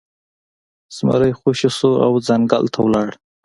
زمری خوشې شو او ځنګل ته لاړ.